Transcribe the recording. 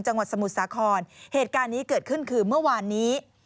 สมุทรสาครเหตุการณ์นี้เกิดขึ้นคือเมื่อวานนี้